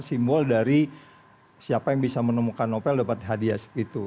simbol dari siapa yang bisa menemukan novel dapat hadiah seperti itu